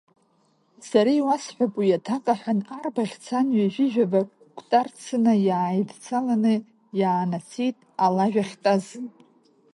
Сара иуасҳәап уи аҭак, — аҳәан арбаӷь цан ҩежәижәаба кәтарцына иааидцаланы иаанацеит алажә ахьтәаз.